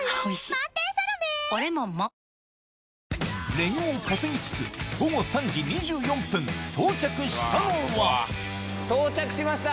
レグを稼ぎつつ午後３時２４分到着したのは到着しました！